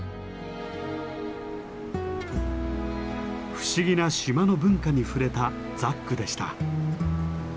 不思議な島の文化に触れたザックでした。